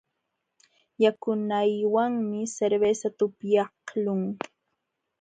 Yakunaywanmi cervezata upyaqlun.